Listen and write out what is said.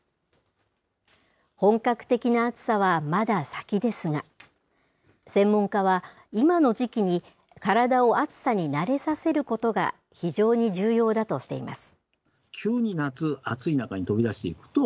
本格的な暑さはまだ先ですが、専門家は、今の時期に体を暑さに慣れさせることが非常に重要だとしています。